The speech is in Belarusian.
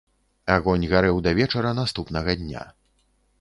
Агонь гарэў да вечара наступнага дня.